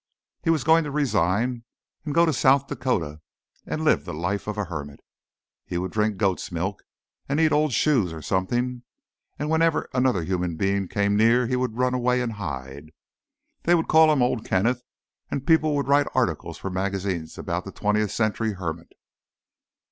He was going to resign and go to South Dakota and live the life of a hermit. He would drink goat's milk and eat old shoes or something, and whenever another human being came near he would run away and hide. They would call him Old Kenneth, and people would write articles for magazines about The Twentieth Century Hermit.